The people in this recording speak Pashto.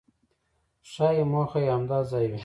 ښایي موخه یې همدا ځای وي.